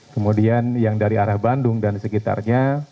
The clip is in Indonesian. kemudian yang dari arah bandung dan sekitarnya